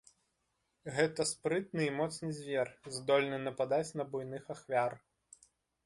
Гэта спрытны і моцны звер, здольны нападаць на буйных ахвяр.